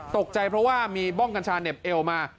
ตกใจเพราะว่ามีบ้องกัญชาเหน็บเอวมา